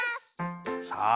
さあ。